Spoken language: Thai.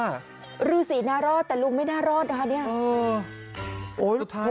ฤลูกนิ้วสีน่ารอดแต่ลุงไม่น่ารอด